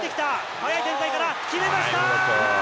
速い展開から決めました！